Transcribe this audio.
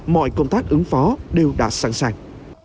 mọi công tác ứng phó đều đã sẵn sàng